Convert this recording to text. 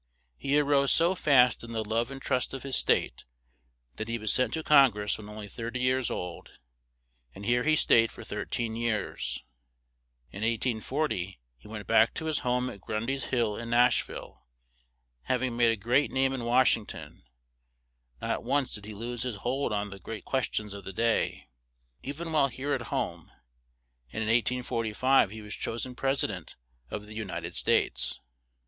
He a rose so fast in the love and trust of his state that he was sent to Con gress when on ly thir ty years old; and here he stayed for thir teen years. In 1840 he went back to his home at Grun dy's Hill in Nash ville, hav ing made a great name in Wash ing ton; not once did he lose his hold on the great ques tions of the day, e ven while here at home; and in 1845 he was chos en pres i dent of the U nit ed States.